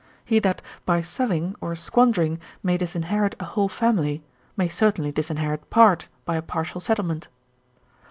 He that, by selling, or squandering, may disinherit a whole family, may certainly disinherit part, by a partial settlement.